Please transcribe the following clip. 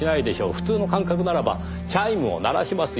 普通の感覚ならばチャイムを鳴らしますよ。